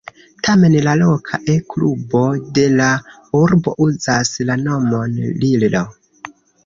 Tamen la loka E-klubo de la urbo uzas la nomon "Lillo".